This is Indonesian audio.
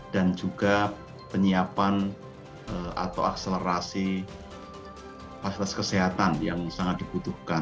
dan juga penyiapan atau akselerasi fasilitas kesehatan yang sangat dibutuhkan